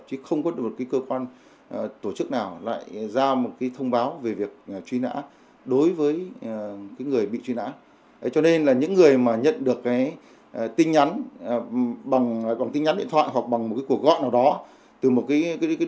chứ không có được một cơ quan tổ chức